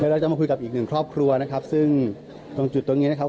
เราจะมาคุยกับอีกหนึ่งครอบครัวนะครับซึ่งตรงจุดตรงนี้นะครับ